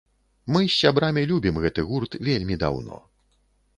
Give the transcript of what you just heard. Мы з сябрамі любім гэты гурт вельмі даўно.